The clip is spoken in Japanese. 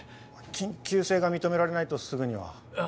緊急性が認められないとすぐには。